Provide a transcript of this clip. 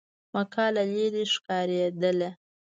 مکه له لرې ښکارېده.